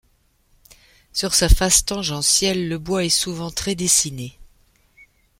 Sur sa face tangentielle, le bois est souvent très dessiné.